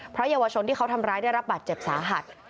เพราะเยาวชนที่เขาทำร้ายได้รับบาดเจ็บสาหัส